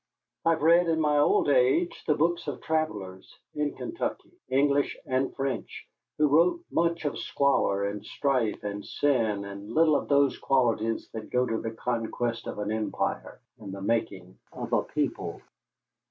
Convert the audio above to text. I have read in my old age the books of travellers in Kentucky, English and French, who wrote much of squalor and strife and sin and little of those qualities that go to the conquest of an empire and the making of a people.